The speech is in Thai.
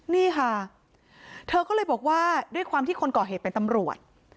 นี่ค่ะเธอก็เลยบอกว่าด้วยความที่คนก่อเหตุเป็นตำรวจ